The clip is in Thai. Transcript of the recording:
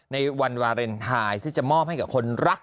ในวันวารินทายซึ่งจะมอบของคนรัก